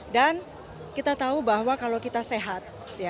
dan kita tahu bahwa kalau kita sehat